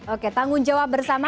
oke tanggung jawab bersama